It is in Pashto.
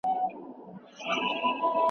سنیانو د مذهبي تعصب له امله ډېر ظلمونه وګالل.